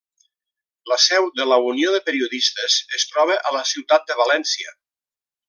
La seu de la Unió de Periodistes es troba a la ciutat de València.